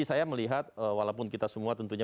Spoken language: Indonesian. saya melihat walaupun kita semua tentunya